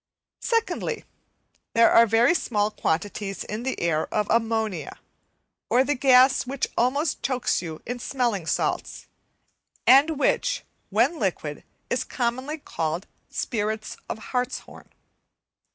Secondly, there are very small quantities of ammonia, or the gas which almost chokes you in smelling salts, and which, when liquid is commonly called "spirits of hartshorn."